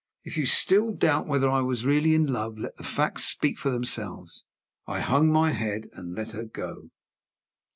If you still doubt whether I was really in love, let the facts speak for themselves. I hung my head, and let her go.